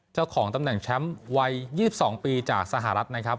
เจ้าของตำแหน่งแชมป์วัย๒๒ปีจากสหรัฐนะครับ